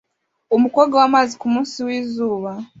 Umukobwa wamazi kumunsi wizuba